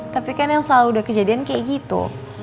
tapi kan yang selalu udah kejadian kayak gitu